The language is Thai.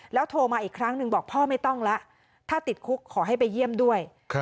โทรมาอีกครั้งหนึ่งบอกพ่อไม่ต้องแล้วถ้าติดคุกขอให้ไปเยี่ยมด้วย